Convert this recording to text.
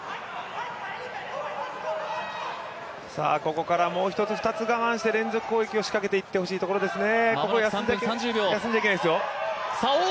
ここからもう１つ２つ我慢して連続攻撃を仕掛けていってほしいところですね。